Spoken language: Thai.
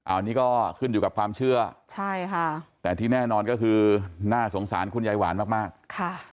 อันนี้ก็ขึ้นอยู่กับความเชื่อใช่ค่ะแต่ที่แน่นอนก็คือน่าสงสารคุณยายหวานมากมากค่ะ